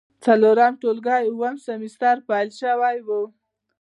څلورم ټولګی او اووم سمستر پیل شوی و.